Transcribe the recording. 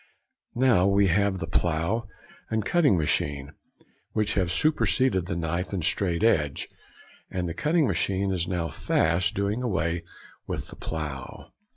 Now we have the plough and cutting machine, which have superseded the knife and straight edge; and the cutting machine is now fast doing away with the plough.